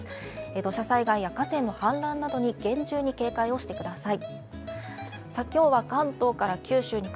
土砂災害や河川の氾濫などに厳重に警戒をしてください。